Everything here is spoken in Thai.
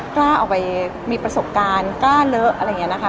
กล้าออกไปมีประสบการณ์กล้าเลอะอะไรอย่างนี้นะคะ